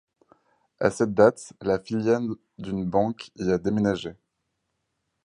À cette date, la filiale d’une banque y a emménagé.